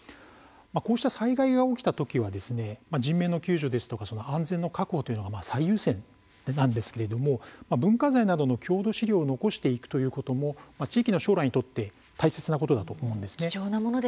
こうした災害が起きた時は人命の救助ですとか安全の確保というのが最優先なんですけれども文化財などの郷土資料を残していくこともその地域の将来にとっては大切なことだと思うんです。